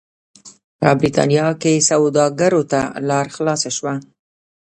په برېټانیا کې سوداګرو ته لار خلاصه شوه.